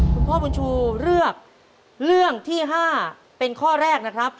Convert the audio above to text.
คุณพ่อบุญชูเลือกเรื่องที่๕เป็นข้อแรกนะครับ